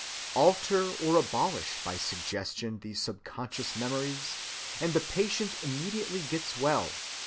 Alter or abolish by suggestion these subconscious memories, and the patient immediately gets well.